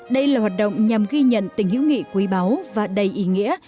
đây là hoạt động nhằm ghi nhận tình hữu nghị quý báu và đầy ý nghĩa